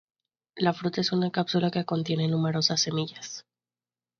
La fruta es una cápsula que contiene numerosas semillas.